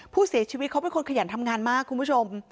ผู้เสียชีวิตเขาเป็นคนขยันทำงานมากคุณผู้ชม